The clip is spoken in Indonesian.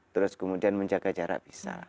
terus kemudian menjaga jarak bisa